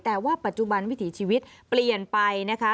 แต่ว่าปัจจุบันวิถีชีวิตเปลี่ยนไปนะคะ